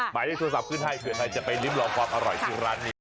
หมายเลขโทรศัพท์ขึ้นให้เผื่อใครจะไปริ้มลองความอร่อยที่ร้านนี้